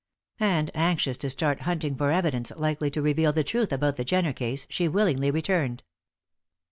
And anxious to start hunting for evidence likely to reveal the truth about the Jenner case, she willingly returned.